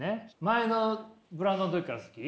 前のブランドの時から好き？